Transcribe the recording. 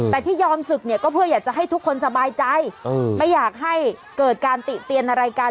แต่ที่ยอมศึกเนี่ยก็เพื่ออยากจะให้ทุกคนสบายใจไม่อยากให้เกิดการติเตียนอะไรกัน